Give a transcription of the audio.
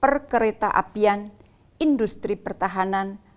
perkereta apian industri pertahanan